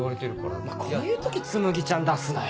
お前こういう時つむぎちゃん出すなよ。